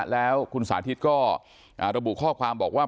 แล้วคุณสาธิตก็ระบุข้อความบอกว่า